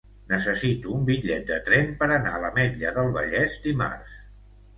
Necessito un bitllet de tren per anar a l'Ametlla del Vallès dimarts.